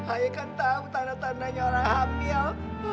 ayah kan tahu tanda tandanya orang hamil